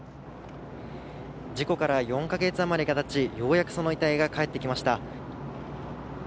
事故から４か月余りがたち、ようやくその遺体が帰ってきました。